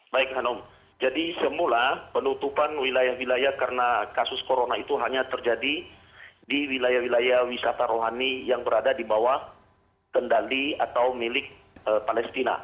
baik hanum jadi semula penutupan wilayah wilayah karena kasus corona itu hanya terjadi di wilayah wilayah wisata rohani yang berada di bawah kendali atau milik palestina